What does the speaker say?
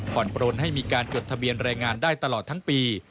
ปลนให้มีการจดทะเบียนแรงงานได้ตลอดทั้งปี